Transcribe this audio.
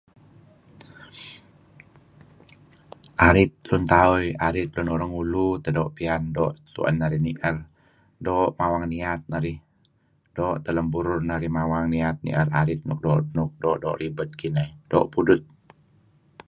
Arit lun tauh eh arit lun orang ulu teh doo' piyan doo' tu'en narih ni'er doo' mawang niyat narih doo' teh lem burumawang niyat ni'er arit nuk doo'-doo' ribed kineh doo' pudut.